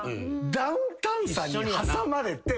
ダウンタウンさんに挟まれて飯は。